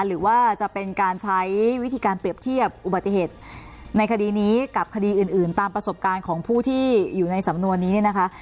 หรือว่าจะเป็นการใช้วิธีการเปรียบเทียบอุบัติเหตุในคดีนี้กับคดีอื่นตามประสบการณ์ของผู้ที่อยู่ในสำนวนนี้เนี่ยนะคะ